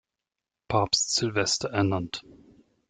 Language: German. Papst Silvester“ ernannt.